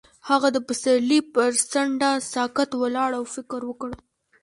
هغه د پسرلی پر څنډه ساکت ولاړ او فکر وکړ.